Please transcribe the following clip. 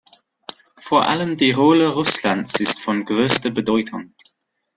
Vor allem die Rolle Russlands ist von größter Bedeutung.